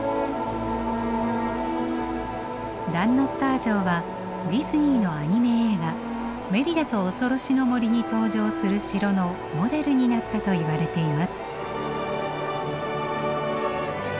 ダンノッター城はディズニーのアニメ映画「メリダとおそろしの森」に登場する城のモデルになったといわれています。